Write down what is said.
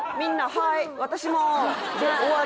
はい